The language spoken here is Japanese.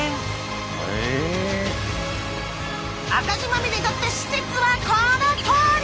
赤字まみれだった施設はこのとおり！